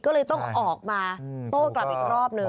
ก็เลยต้องออกมาโต้กลับอีกรอบนึง